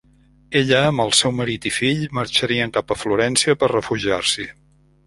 Ella amb el seu marit i fill marxarien cap a Florència per refugiar-s'hi.